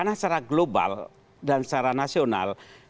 karena secara global dan secara nasional